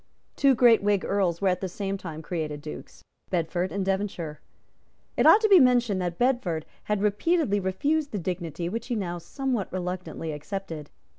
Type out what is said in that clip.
Two great Whig Earls were at the same time created Dukes, Bedford and Devonshire. It ought to be mentioned that Bedford had repeatedly refused the dignity which he now somewhat reluctantly accepted.